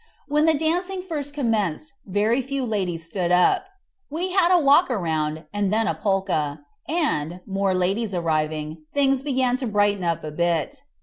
When the dancing first commenced, very few ladies stood up. We had a walk round, and then a polka, and, more ladies arriving, things began to brighten up a bit.